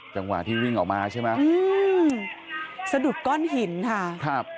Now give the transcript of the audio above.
จังหวะที่วิ่งออกมาใช่ไหมอืมสะดุดก้อนหินค่ะครับ